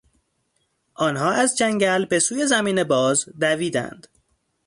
آنها از جنگل به سوی زمین باز دویدند.